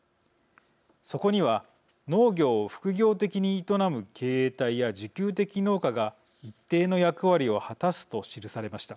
そこには農業を副業的に営む経営体や自給的農家が一定の役割を果たすと記されました。